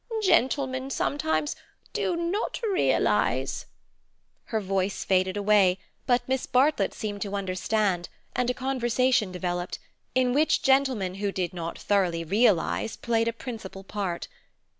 "Gentlemen sometimes do not realize—" Her voice faded away, but Miss Bartlett seemed to understand and a conversation developed, in which gentlemen who did not thoroughly realize played a principal part.